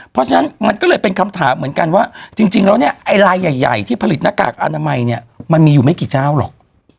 เพราะฉะนั้นมันก็เลยเป็นคำถามเหมือนกันว่าจริงแล้วเนี่ยไอ้ลายใหญ่ที่ผลิตหน้ากากอนามัยเนี่ยมันมีอยู่ไม่กี่เจ้าหรอก